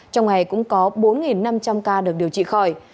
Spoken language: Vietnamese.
trong ngày cũng có bốn năm trăm linh ca được điều trị khỏi